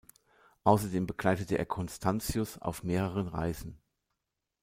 Außerdem begleitete er Constantius auf mehreren Reisen.